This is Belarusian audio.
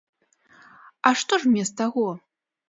А што ж мне з таго?